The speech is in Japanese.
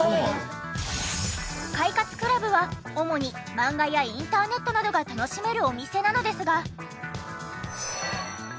快活ＣＬＵＢは主に漫画やインターネットなどが楽しめるお店なのですが。